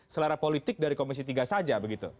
selera politik dari komisi tiga saja begitu